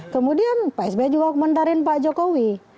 kemudian pak sby juga komentarin pak jokowi